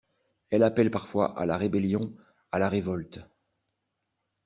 Elle appelle parfois à la rébellion, à la révolte.